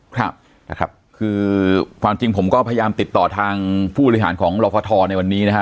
คือความจริงผมก็พยายามติดต่อทางผู้บริหารของรฟทในวันนี้